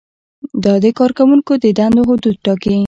دا د کارکوونکو د دندو حدود ټاکي.